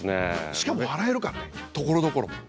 しかも笑えるからねところどころ。